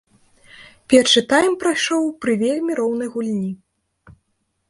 Першы тайм прайшоў пры вельмі роўнай гульні.